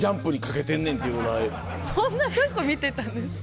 そんなとこ見てたんですか。